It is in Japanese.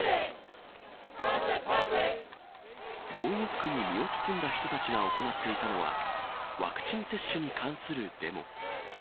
防護服に身を包んだ人たちが行っていたのは、ワクチン接種に関するデモ。